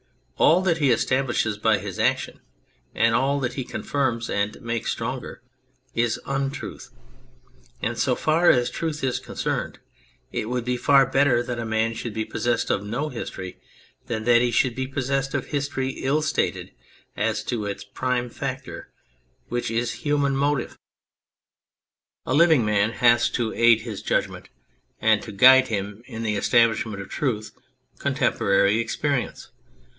All that he establishes by his action, and all that he confirms and makes stronger, is Untruth. And so far as truth is concerned it would be far better that a man should be possessed of no history than that he should be possessed of history ill stated as to its prime factor, which is human motive. 121 On Anything A living man has, to aid his judgment and to guide him in the establishment of truth, con temporary experience.